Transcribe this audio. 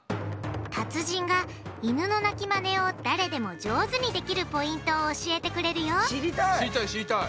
達人がイヌの鳴きマネを誰でも上手にできるポイントを教えてくれるよ知りたい！